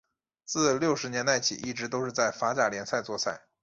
自六十年代起一直都是在法甲联赛作赛。